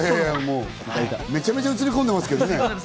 めちゃめちゃ映り込んでますけどね。